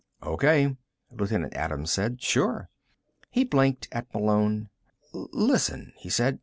"O.K.," Lieutenant Adams said. "Sure." He blinked at Malone. "Listen," he said.